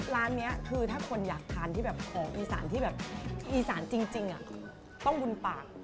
ร้านนี้คือถ้าคนอยากทานที่แบบของอีสานที่แบบอีสานจริงต้องบุญปาก